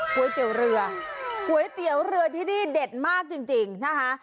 ก๋วยเตี๋ยวเรือก๋วยเตี๋ยวเรือที่นี่เด็ดมากจริงนะคะ